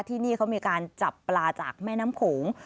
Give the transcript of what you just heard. ที่นี่เขามีการจับปลาจากแม่น้ำโขง